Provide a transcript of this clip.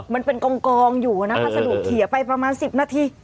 มันเป็นกองอยู่นะพัสดุเขี่ยไปประมาณ๑๐นาที